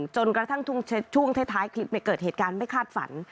จนกระทั่งช่วงท้ายคลิปเกิดเหตุการณ์ไม่คาดฝัน